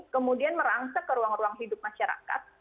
kemudian merangsak ke ruang ruang hidup masyarakat